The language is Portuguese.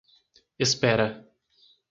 Espera